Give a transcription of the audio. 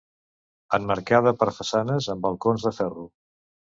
Emmarcada per façanes amb balcons de ferro.